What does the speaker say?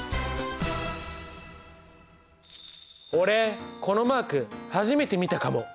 俺このマーク初めて見たかも。